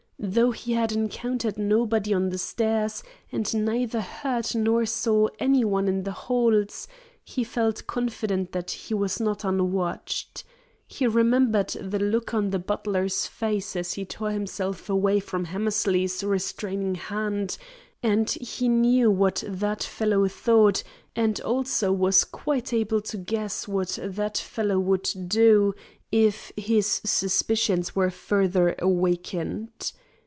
Though he had encountered nobody on the stairs, and neither heard nor saw any one in the halls, he felt confident that he was not unwatched. He remembered the look on the butler's face as he tore himself away from Hammersley's restraining hand, and he knew what that fellow thought and also was quite able to guess what that fellow would do, if his suspicions were farther awakened.